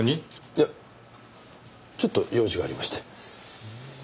いやちょっと用事がありまして。